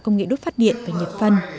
công nghệ đốt phát điện và nhập phân